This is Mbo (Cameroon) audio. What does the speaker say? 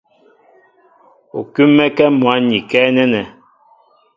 U kúm̀mɛ́kɛ́ mwǎn ikɛ́ nɛ́nɛ.